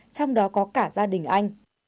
trong đó có cả gia đình anh